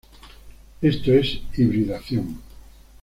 Esto es hibridación.